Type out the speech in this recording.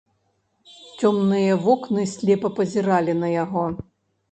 Цёмныя вокны слепа пазіралі на яго.